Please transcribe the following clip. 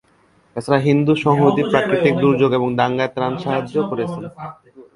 এছাড়া হিন্দু সংহতি প্রাকৃতিক দুর্যোগ এবং দাঙ্গায় ত্রাণ সাহায্য করেছে।